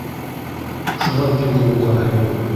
Шулай килде уға һөйөү.